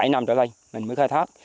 bảy năm trở lại mình mới khai thác